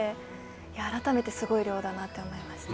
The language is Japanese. いや改めてすごい量だなと思いました。